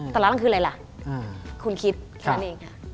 ตลาดล่างคืออะไรล่ะคุณคิดแค่นี้